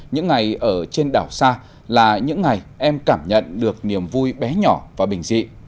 những ngày ở trên đảo sa là những ngày em cảm nhận được niềm vui bé nhỏ và bình dị